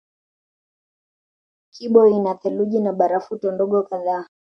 Kibo ina theluji na barafuto ndogo kadhaa